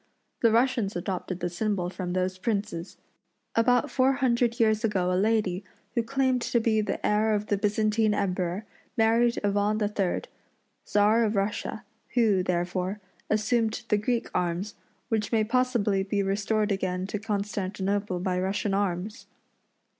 The Russians adopted the symbol from those princes. About four hundred years ago a lady, who claimed to be the heir of the Byzantine Emperor, married Ivan III., Czar of Russia, who, therefore, assumed the Greek arms, which may possibly be restored again to Constantinople by Russian arms.